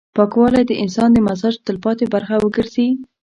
پاکوالی د انسان د مزاج تلپاتې برخه وګرځي.